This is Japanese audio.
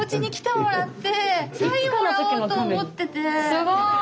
すごい！